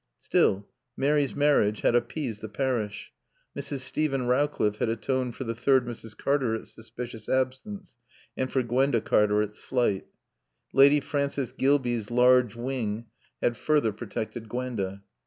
Still, Mary's marriage had appeased the parish. Mrs. Steven Rowcliffe had atoned for the third Mrs. Cartaret's suspicious absence and for Gwenda Cartaret's flight. Lady Frances Gilbey's large wing had further protected Gwenda.